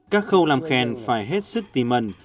các khâu làm khen phải hết sức tìm mần